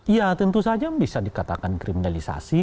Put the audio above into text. ya tentu saja bisa dikatakan kriminalisasi